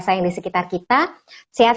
sayang di sekitar kita sehat